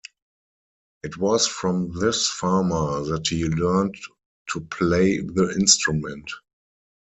It was from this farmer that he learned to play the instrument.